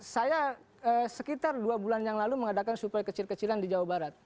saya sekitar dua bulan yang lalu mengadakan suplai kecil kecilan di jawa barat